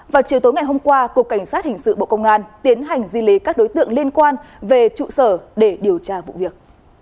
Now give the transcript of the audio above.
vào chiều tối ngày hôm qua cục cảnh sát hình sự bộ công an tiến hành di lý các đối tượng liên quan về trụ sở để điều tra vụ việc